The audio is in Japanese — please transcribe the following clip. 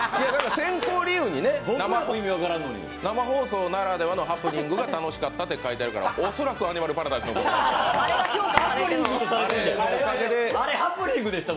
選考理由に生放送ならではのハプニングが楽しかったと書いてあるから、恐らくアニマルパラダイスも。